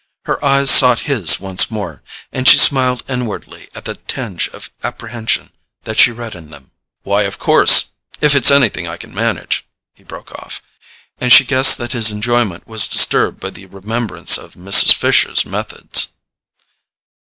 Her eyes sought his once more, and she smiled inwardly at the tinge of apprehension that she read in them. "Why, of course—if it's anything I can manage——" He broke off, and she guessed that his enjoyment was disturbed by the remembrance of Mrs. Fisher's methods.